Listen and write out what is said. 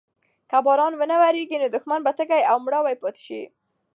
که باران ونه وریږي نو دښتې به تږې او مړاوې پاتې شي.